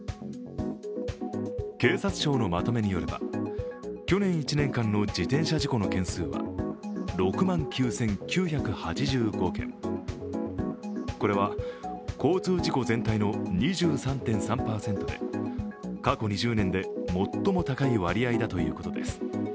警察庁のまとめによれば、去年１年間の自転車事故の件数は６万９９８５件これは交通事故全体の２３．３％で過去２０年で最も高い割合だということです。